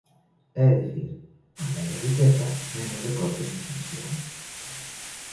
É dicir, a menos riqueza, menos recortes nas emisións.